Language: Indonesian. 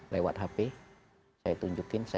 lewat hp saya tunjukin